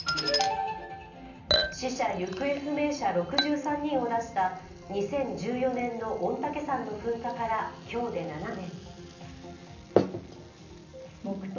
死者・行方不明者６３人を出した２０１４年の御嶽山の噴火から今日で７年。